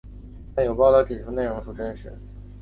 但有报导指出内容属真实。